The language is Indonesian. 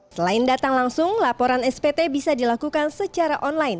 selain datang langsung laporan spt bisa dilakukan secara online